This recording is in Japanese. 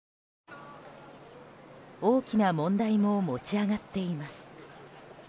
大きな問題も持ち上がっています。